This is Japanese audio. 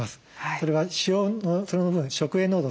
それはその分食塩濃度